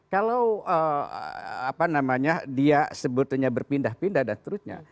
kalau apa namanya dia sebetulnya berpindah pindah dan seterusnya